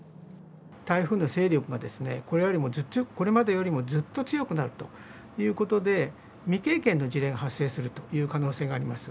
台風の勢力が、これまでよりもずっと強くなるということで、未経験の事例が発生するという可能性があります。